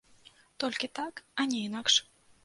Толькі так, а не інакш.